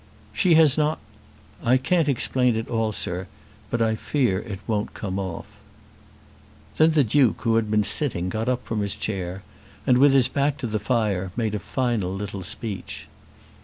"She has not " "I can't explain it all, sir, but I fear it won't come off." Then the Duke, who had been sitting, got up from his chair and with his back to the fire made a final little speech.